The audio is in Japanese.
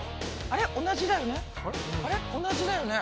あれ同じだよね。